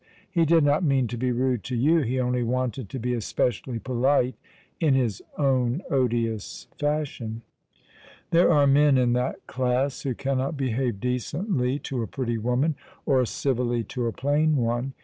He did not mean to bo rude to you. He only wanted to bo especially 13olite in his own odious fashion. There are men in that class who cannot behave decently to a pretty woman, or civilly to a plain one.